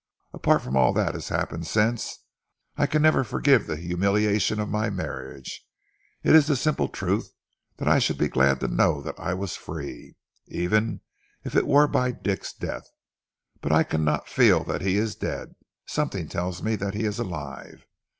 Apart from all that has happened since, I can never forgive the humiliation of my marriage. It is the simple truth that I should be glad to know that I was free, even if it were by Dick's death. But I cannot feel that he is dead. Something tells me that he is alive.